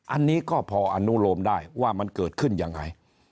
อันนี้ก็พออนุโลมได้ว่ามันเกิดขึ้นยังไง